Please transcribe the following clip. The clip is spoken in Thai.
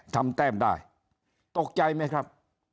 แต้มได้ตกใจไหมครับ